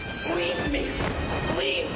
おい！